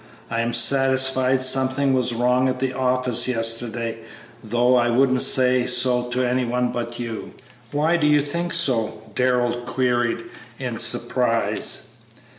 I am satisfied something was wrong at the office yesterday, though I wouldn't say so to any one but you." "Why do you think so?" Darrell queried, in surprise.